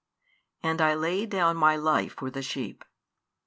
And I lay down My life for the sheep.